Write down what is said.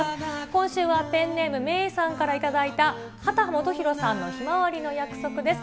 今週はペンネームめいさんから頂いた、秦基博さんのひまわりの約束です。